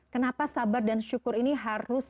kenapa sabar dan syukur ini harus